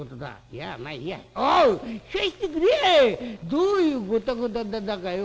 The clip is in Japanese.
どういうゴタゴタだったかよ。